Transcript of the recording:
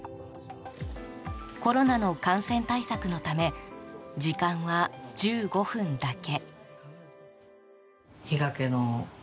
コロナの感染対策のため時間は１５分だけ。